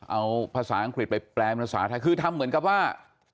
เอาภาษาอังกฤษไปแปลภาษาไทยคือทำเหมือนกับว่า